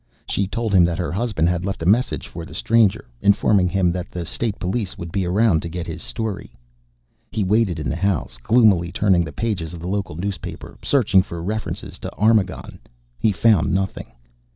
She told him that her husband had left a message for the stranger, informing him that the State Police would be around to get his story. He waited in the house, gloomily turning the pages of the local newspaper, searching for references to Armagon. He found nothing.